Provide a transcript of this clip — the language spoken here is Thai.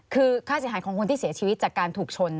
คือค่าเสียหายของคนที่เสียชีวิตจากการถูกชน